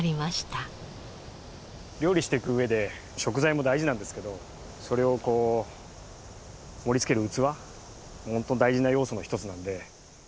料理していく上で食材も大事なんですけどそれをこう盛りつける器も本当に大事な要素の一つなので。